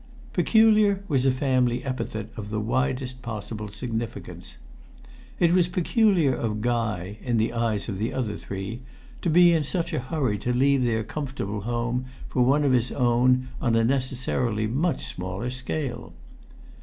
Peculiar was a family epithet of the widest possible significance. It was peculiar of Guy, in the eyes of the other three, to be in such a hurry to leave their comfortable home for one of his own on a necessarily much smaller scale.